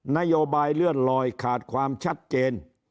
นโยบายเลื่อนลอยขาดความชัดเจน